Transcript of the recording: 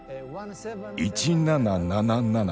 「１７７７」